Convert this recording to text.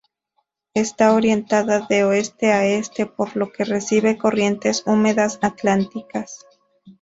Está orientada de Oeste a Este por lo que recibe corrientes húmedas atlánticas.